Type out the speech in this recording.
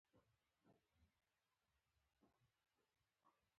شمال ختیځ لور ته سړک و.